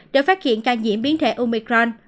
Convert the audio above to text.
đã phát hiện ca nhiễm biến thể omicron